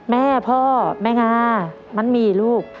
แม่พ่อแม่งามันมีลูก